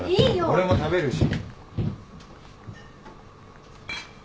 俺も食べるし。